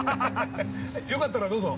よかったらどうぞ。